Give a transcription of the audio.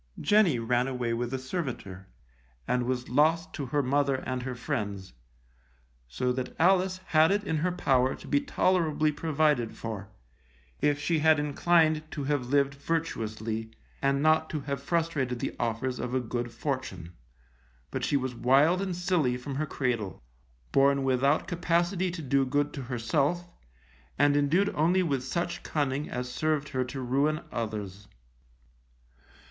Jenny ran away with a servitor, and was lost to her mother and her friends; so that Alice had it in her power to be tolerably provided for, if she had inclined to have lived virtuously, and not to have frustrated the offers of a good fortune. But she was wild and silly from her cradle, born without capacity to do good to herself, and indued only with such cunning as served her to ruin others.